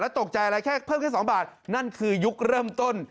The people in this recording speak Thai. ตกใจอะไรแค่เพิ่มแค่๒บาทนั่นคือยุคเริ่มต้น